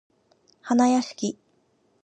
はなやしき